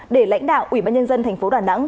để lãnh đạo ủy ban nhân dân tp đà nẵng